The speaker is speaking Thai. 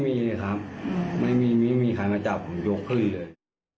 ไม่มีครับไม่มีไม่มีใครมาจับผมยกขึ้นเลย